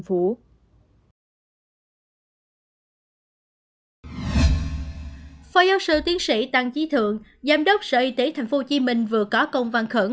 phó giáo sư tiến sĩ tăng trí thượng giám đốc sở y tế tp hcm vừa có công văn khẩn